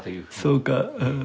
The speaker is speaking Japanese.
そうかうん。